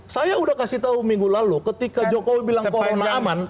saya udah kasih tahu minggu lalu ketika jokowi bilang corona aman